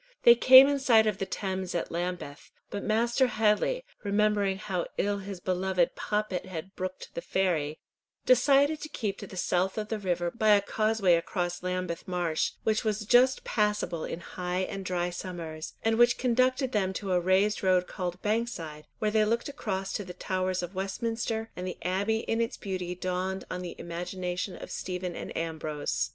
They came in sight of the Thames at Lambeth, but Master Headley, remembering how ill his beloved Poppet had brooked the ferry, decided to keep to the south of the river by a causeway across Lambeth marsh, which was just passable in high and dry summers, and which conducted them to a raised road called Bankside, where they looked across to the towers of Westminster, and the Abbey in its beauty dawned on the imagination of Stephen and Ambrose.